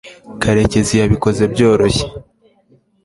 karekezi yabikoze byoroshye